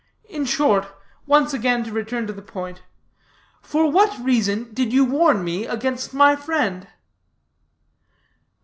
In short, once again to return to the point: for what reason did you warn me against my friend?"